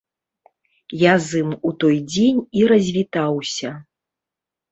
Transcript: Я з ім у той дзень і развітаўся.